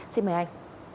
xin mời anh